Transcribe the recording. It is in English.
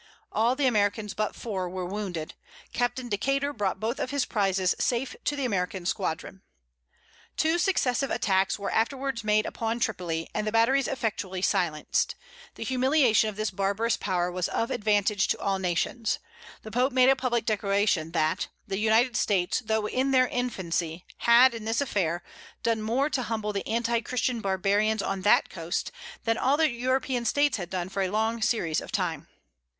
All the Americans but four were wounded. Captain Decater brought both of his prizes safe to the American squadron. Two successive attacks were afterwards made upon Tripoli; and the batteries effectually silenced. The humiliation of this barbarous power was of advantage to all nations. The Pope made a public declaration, that, "the United States, though in their infancy, had, in this affair, done more to humble the anti christian barbarians on that coast, than all the European States had done for a long series of time."